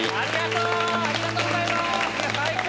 いや最高！